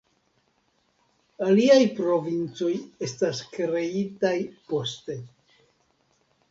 Aliaj provincoj estas kreitaj poste.